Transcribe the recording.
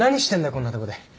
こんなとこで。